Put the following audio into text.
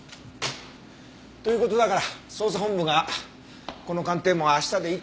という事だから捜査本部がこの鑑定も明日でいいって。